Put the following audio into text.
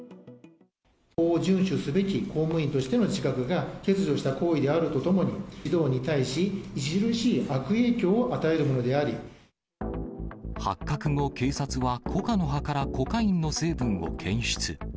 法を順守すべき公務員としての自覚が欠如した行為であるとともに、児童に対し、著しい悪影響発覚後、警察はコカの葉からコカインの成分を検出。